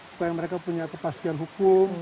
supaya mereka punya kepastian hukum